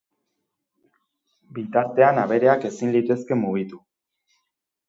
Bitartean abereak ezin litezke mugitu.